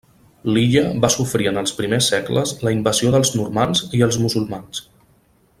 L'illa va sofrir en els primers segles la invasió dels normands i els musulmans.